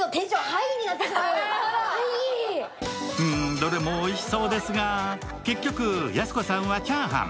どれもおいしそうですが、結局、やす子さんはチャーハン。